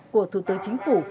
của thủ tướng chính phủ